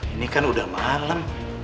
ini kan udah malem